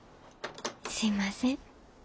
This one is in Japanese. すいません。